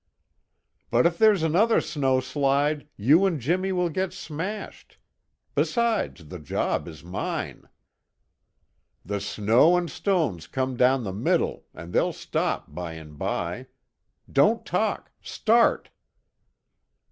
"But if there's another snow slide, you and Jimmy will get smashed. Besides, the job is mine." "The snow and stones come down the middle and they'll stop by and by. Don't talk. Start!"